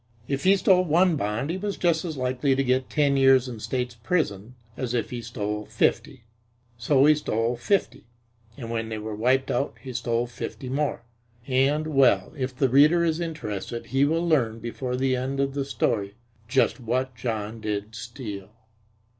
If he stole one bond he was just as likely to get ten years in State's prison as if he stole fifty so he stole fifty, and when they were wiped out he stole fifty more and, well, if the reader is interested he will learn before the end of the story just what John did steal.